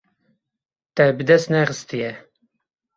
Te bi dest nexistiye.